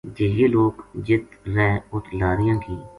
جے یہ لوک جِت رہ اُت لاریاں کی